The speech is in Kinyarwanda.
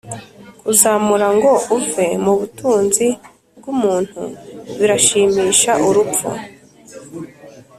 kuzamura ngo uve mu butunzi bwumuntu birashimisha urupfu